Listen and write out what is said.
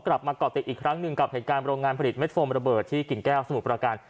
เกาะติดอีกครั้งหนึ่งกับเหตุการณ์โรงงานผลิตเม็ดโฟมระเบิดที่กิ่งแก้วสมุทรประการ